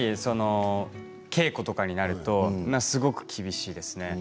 稽古とかになるとすごく厳しいですね。